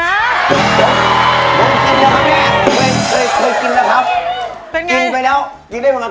ลูกกินแล้วครับแม่